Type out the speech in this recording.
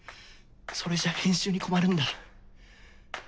それじゃあ編集に困るんだ。